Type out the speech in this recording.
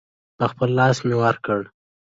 په خپل لاس مې ورکړ.